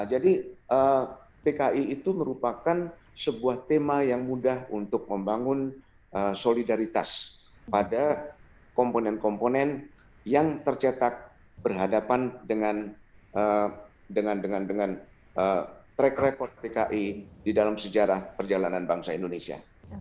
jadi pki itu merupakan sebuah tema yang mudah untuk membangun solidaritas pada komponen komponen yang tercetak berhadapan dengan track record pki di dalam sejarah perjalanan bangsa indonesia